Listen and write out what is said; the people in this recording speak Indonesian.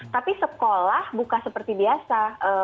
tapi sekolah buka seperti biasa